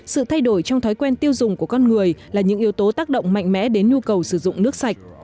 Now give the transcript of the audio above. sự thay đổi trong thói quen tiêu dùng của con người là những yếu tố tác động mạnh mẽ đến nhu cầu sử dụng nước sạch